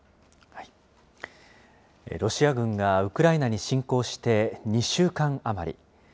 ロシア軍がウクライナに侵攻して２週間余り。